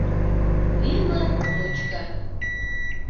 Ӱмыр мучко.